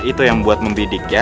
itu yang buat membidik ya